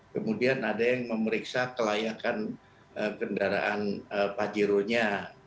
kemudian ada yang memeriksa kelayakan kendaraan pajero nya